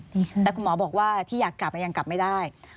แต่คุณหมอบอกว่าที่อยากกลับยังกลับไม่ได้